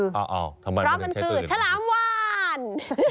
เพราะมันคือฉลามวาน